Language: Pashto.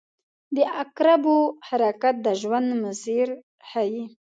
• د عقربو حرکت د ژوند مسیر ښيي.